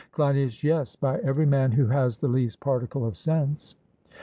CLEINIAS: Yes, by every man who has the least particle of sense.